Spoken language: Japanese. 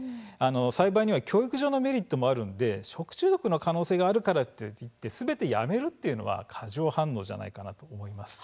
栽培には教育上のメリットもあるので食中毒の可能性があるからといってすべてやめるというのも過剰反応ではないかと思います。